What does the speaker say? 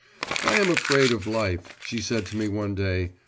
'I am afraid of life,' she said to me one day.